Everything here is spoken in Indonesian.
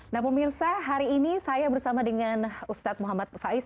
nah pemirsa hari ini saya bersama dengan ustadz muhammad faiz